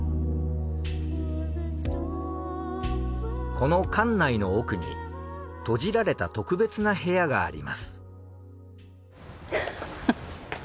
この館内の奥に閉じられた特別な部屋があります。